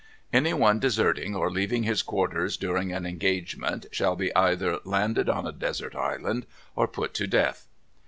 "Any one deserting, or leaving his quarters, during an engagement, shall be either landed on a desert island or put to death.